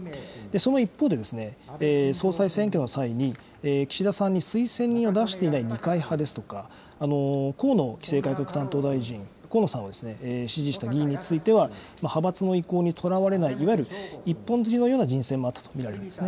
その一方で、総裁選挙の際に、岸田さんに推薦人を出していない二階派ですとか、河野規制改革担当大臣、河野さんを支持した議員については、派閥の意向にとらわれない、いわゆる一本釣りのような人選もあったと見られるんです